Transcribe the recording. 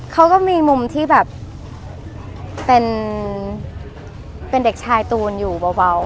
เขาก็มีมุมที่แบบเป็นเด็กชายตูนอยู่เบา